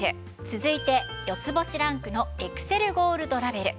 続いて４つ星ランクのエクセルゴールドラベル。